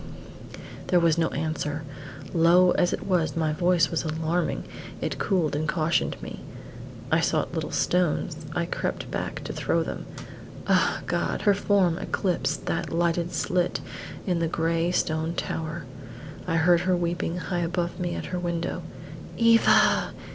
There was no answer. Low as it was, my voice was alarming; it cooled and cautioned me. I sought little stones. I crept back to throw them. Ah God! her form eclipsed that lighted slit in the gray stone tower. I heard her weeping high above me at her window. "Eva!